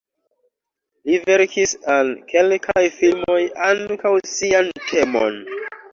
Li verkis al kelkaj filmoj ankaŭ sian temon.